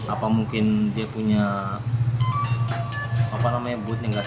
apa mungkin dia punya apa namanya budnya gak tau